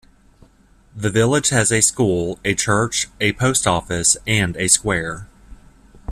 The village has a school, a church, a post office, and a square.